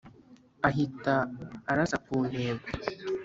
ahita arasa ku ntego